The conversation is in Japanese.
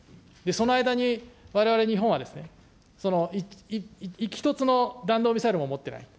その間にわれわれ日本はですね、１つの弾道ミサイルも持ってない。